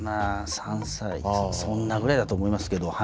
３歳そんなぐらいだと思いますけど。